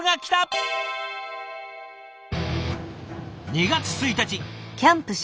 ２月１日。